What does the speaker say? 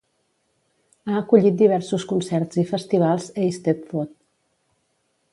Ha acollit diversos concerts i festivals eisteddfod.